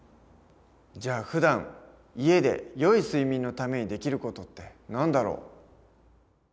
じゃあふだん家でよい睡眠のためにできる事って何だろう？